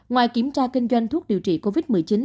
ngoài kiểm tra kinh doanh thuốc điều trị covid một mươi chín